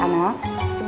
premon kus sateng dua